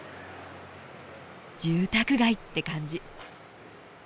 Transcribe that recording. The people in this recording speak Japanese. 住宅街って感じ。